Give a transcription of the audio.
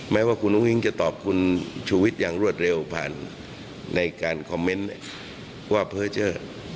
แม้ว่าคุณอุ้งจะตอบคุณชูวิทย์อย่างรวดเร็วผ่านในการคอมเมนต์ว่าเพอร์เจอร์